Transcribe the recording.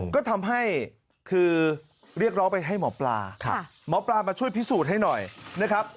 ก็ทำให้คือเรียกร้องไปให้หมอปลาหมอปลามาช่วยพิสูจน์ให้หน่อยนะครับ